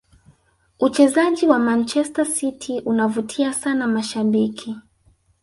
uchezaji wa manchester city unavutia sana mashabiki